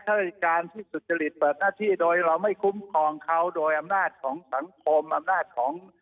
ราชการที่สุจริตเปิดหน้าที่โดยเราไม่คุ้มครองเขาโดยอำนาจของสังคมอำนาจของ